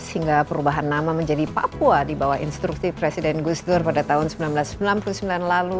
hingga perubahan nama menjadi papua dibawah instruktif presiden gustur pada tahun seribu sembilan ratus sembilan puluh sembilan lalu